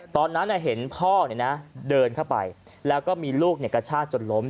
ตอนนั้นอ่ะเห็นพ่อเนี่ยนะเดินเข้าไปแล้วก็มีลูกเนี่ยกระชาดจดล้ม